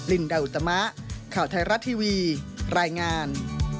ลินดาอุตมะข่าวไทยรัฐทีวีรายงาน